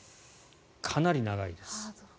かなり長いです。